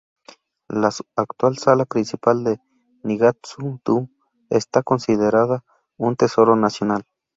La actual sala principal de Nigatsu-dō está considerada un tesoro nacional.